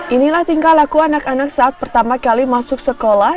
inilah tingkah laku anak anak saat pertama kali masuk sekolah